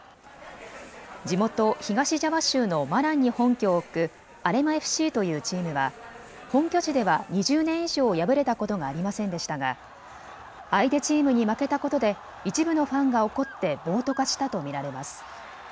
地元、東ジャワ州のマランに本拠を置くアレマＦＣというチームは本拠地では２０年以上敗れたことがありませんでしたが相手チームに負けたことで一部のファンが怒って暴徒化したと見られます。